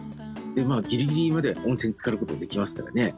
でギリギリまで温泉につかる事ができますからね。